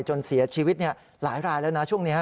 จนเสียชีวิตหลายรายแล้วนะช่วงนี้